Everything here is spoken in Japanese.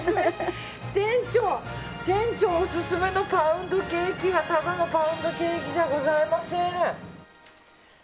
店長のオススメのパウンドケーキはただのパウンドケーキじゃございません。